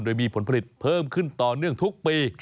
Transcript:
โดยมีผลผลิตเพิ่มขึ้นต่อเนื่องทุกปี